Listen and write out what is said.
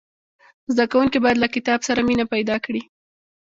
زدهکوونکي باید له کتاب سره مینه پیدا کړي.